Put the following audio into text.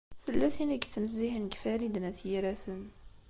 Tella tin i yettnezzihen deg Farid n At Yiraten.